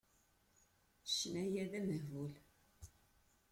Ccna-ya d amehbul.